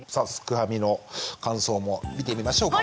ファミの感想も見てみましょうか。